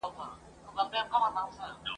زړه می هر گړی ستا سترگي راته ستایي ..